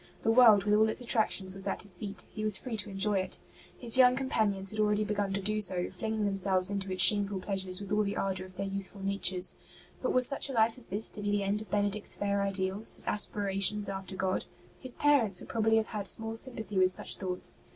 The world with all its attractions was at his feet ; he was free to enjoy it. His young companions had already begun to do so, flinging themselves ST. BENEDICT 27 into its shameful pleasures with all the ardour of their youthful natures. But was such a life as this to be the end of Benedict's fair ideals, his aspirations after God ? His parents would probably have had small sympathy with such thoughts.